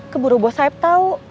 keburu bos saeb tahu